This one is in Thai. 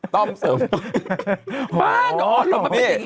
ต้อมเสริมยนต์